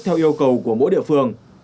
theo yêu cầu của mỗi địa phương